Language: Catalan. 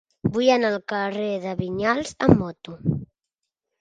Vull anar al carrer de Vinyals amb moto.